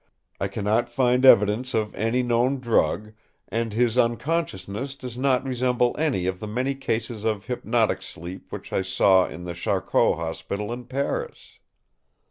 I cannot find evidence of any known drug, and his unconsciousness does not resemble any of the many cases of hypnotic sleep which I saw in the Charcot Hospital in Paris.